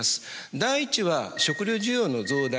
第一は食料需要の増大です。